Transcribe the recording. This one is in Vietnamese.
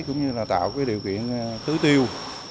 cũng như tạo điều kiện tứ tiêu